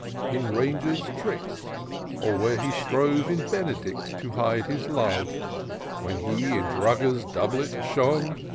" In Ranger's tricks, or when he strove In Benedict to hide his love ; When he in Drugger's doublet shone.